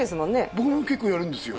僕も結構やるんですよ